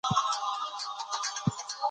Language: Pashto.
لیکوال باید خپل مسولیت وپېژني.